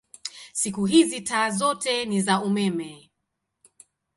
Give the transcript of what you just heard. Siku hizi taa zote ni za umeme.